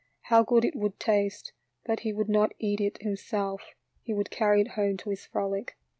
How good it would taste ; but he would not eat it himself, he would carry it home to his Frolic.